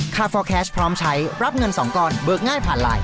ฟอร์แคสต์พร้อมใช้รับเงิน๒ก้อนเบิกง่ายผ่านไลน์